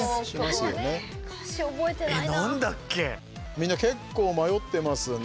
みんな結構迷ってますね。